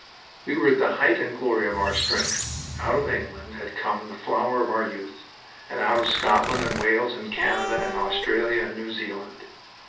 We were at the height and glory of our strength. Out of England had come the flower of our youth, and out of Scotland and Wales and Canada and Australia and New Zealand.